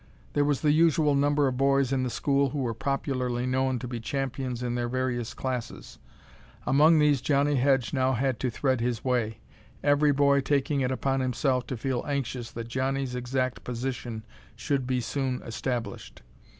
There was the usual number of boys in the school who were popularly known to be champions in their various classes. Among these Johnnie Hedge now had to thread his way, every boy taking it upon himself to feel anxious that Johnnie's exact position should be soon established.